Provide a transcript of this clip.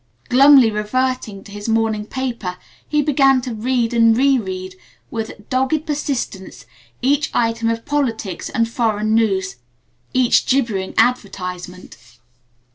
Glumly reverting to his morning paper, he began to read and reread with dogged persistence each item of politics and foreign news each gibbering advertisement.